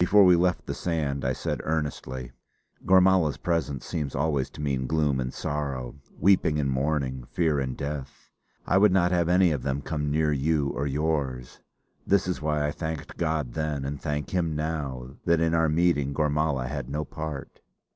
Before we left the sand, I said earnestly: "Gormala's presence seems always to mean gloom and sorrow, weeping and mourning, fear and death. I would not have any of them come near you or yours. This is why I thanked God then, and thank Him now, that in our meeting Gormala had no part!"